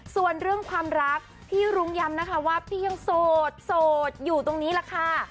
ส่วนเรื่องความรักพี่รุ้งย้ำนะคะว่าพี่ยังโสดโสดอยู่ตรงนี้แหละค่ะ